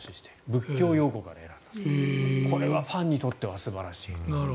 仏教用語からということでこれはファンにとっては素晴らしい。